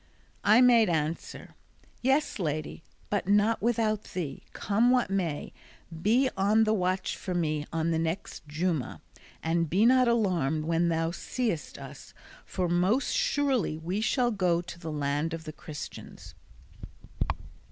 I made answer, "Yes, lady, but not without thee, come what may: be on the watch for me on the next Juma, and be not alarmed when thou seest us; for most surely we shall go to the land of the Christians."